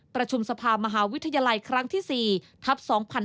ประชุมสภามหาวิทยาลัยครั้งที่๔ทัพ๒๕๖๒